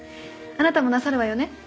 あなたもなさるわよね？